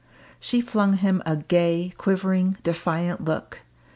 She flung him a gay, quivering, defiant look.